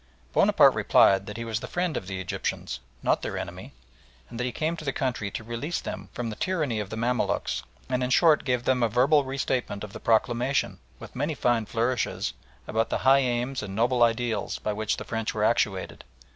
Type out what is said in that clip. Bonaparte replied that he was the friend of the Egyptians not their enemy that he came to the country to release them from the tyranny of the Mamaluks, and in short gave them a verbal restatement of the proclamation, with many fine flourishes, about the high aims and noble ideals by which the French were actuated.